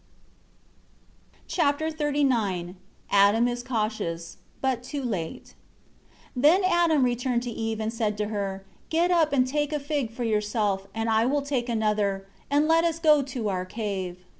Chapter XXXIX Adam is cautious but too late. 1 Then Adam returned to Eve, and said to her, "Get up, and take a fig for yourself, and I will take another; and let us go to our cave."